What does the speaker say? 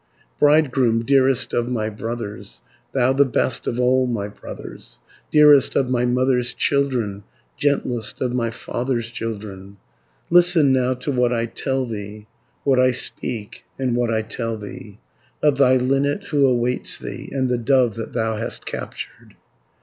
"Bridegroom, dearest of my brothers, Thou the best of all my brothers, Dearest of my mother's children, Gentlest of my father's children, Listen now to what I tell thee, What I speak and what I tell thee, 10 Of thy linnet who awaits thee, And the dove that thou hast captured.